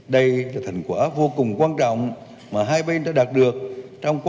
đây là thành quả vô cùng quan trọng